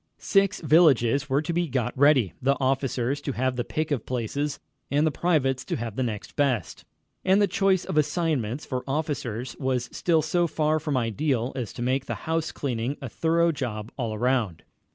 Six villages were to be got ready, the officers to have the pick of places, and the privates to have next best. And the choice of assignments for officers was still so far from ideal as to make the house cleaning a thorough job all around.